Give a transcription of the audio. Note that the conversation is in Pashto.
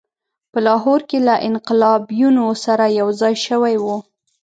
په لاهور کې له انقلابیونو سره یوځای شوی وو.